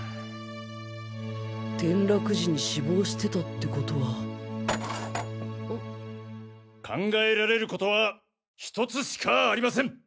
転落時に死亡してたってことは考えられることはひとつしかありません！